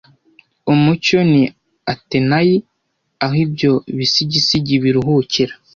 Umucyo ni Atenayi aho ibyo bisigisigi biruhukira,